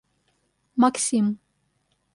Максим